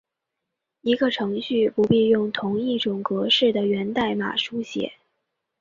一个程序不必用同一种格式的源代码书写。